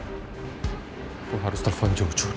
aku harus telepon jauh jauh